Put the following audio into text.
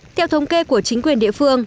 theo thống kê của chính quyền địa phương